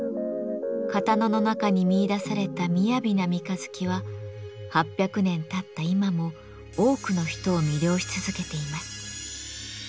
刀の中に見いだされた雅な三日月は８００年たった今も多くの人を魅了し続けています。